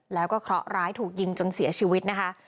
แล้วก็เคราะห์ร้ายถูกยิงจนเสียชีวิตนะคะ